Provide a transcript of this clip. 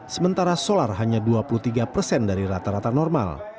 sementara solar hanya dua puluh tiga persen dari rata rata normal